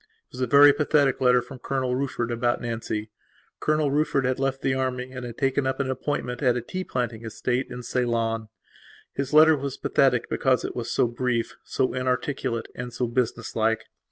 It was a very pathetic letter from Colonel Rufford about Nancy. Colonel Rufford had left the army and had taken up an appointment at a tea planting estate in Ceylon. His letter was pathetic because it was so brief, so inarticulate, and so business like.